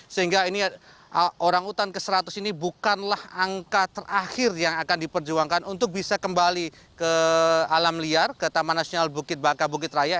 sehingga ini orang utan ke seratus ini bukanlah angka terakhir yang akan diperjuangkan untuk bisa kembali ke alam liar ke taman nasional bukit baka bukit raya